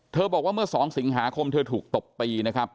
บอกว่าเมื่อ๒สิงหาคมเธอถูกตบตีนะครับ